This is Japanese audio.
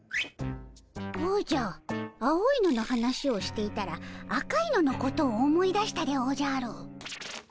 おじゃ青いのの話をしていたら赤いののことを思い出したでおじゃる。